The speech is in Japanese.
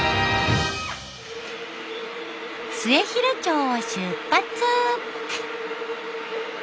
末広町を出発！